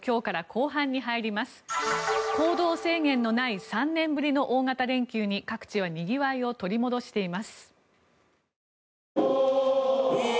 行動制限のない３年ぶりの大型連休に各地はにぎわいを取り戻しています。